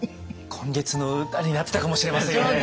「今月の歌」になってたかもしれませんよね。